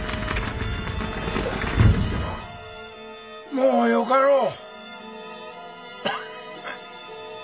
もうよかろう。